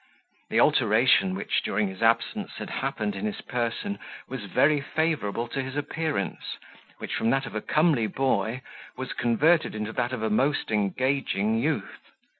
The alteration, which, during his absence, had happened in his person, was very favourable to his appearance, which, from that of a comely boy, was converted into that of a most engaging youth.